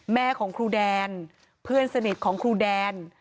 แม่ของครูแดนเพื่อนสนิทของครูแดน